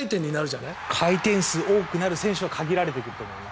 回転数多くなる選手は限られていると思います。